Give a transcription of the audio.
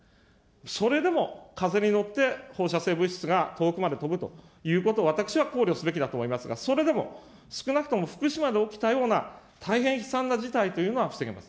それでも風に乗って、放射性物質が遠くまで飛ぶということを私は考慮すべきだと思いますが、それでも少なくとも福島で起きたような大変悲惨な事態というのは防げます。